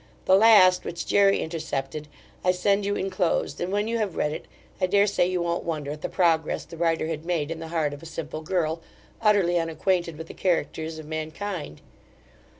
The last, which Jery intercepted, I send you inclosed, and when you have read it, I dare say you won't wonder at the progress the writer had made in the heart of a simple girl, utterly unacquainted with the characters of mankind.